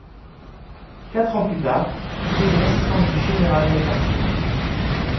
Quatre ans plus tard, il était l'assistant du général MacArthur.